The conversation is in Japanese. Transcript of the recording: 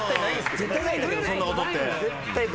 絶対ないんだけどそんなことって。